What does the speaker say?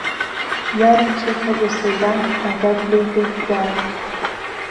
یارم چۆته بۆ سهیران ئاگات لێی بێ خودایا